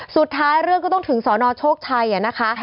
สุดท้ายเรื่องก็ต้องถึงสนโชคชัยนะคะ